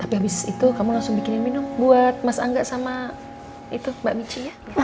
habis itu kamu langsung bikin minum buat mas angga sama itu mbak michi ya